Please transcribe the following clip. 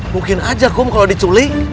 mungkin aja kom kalau diculik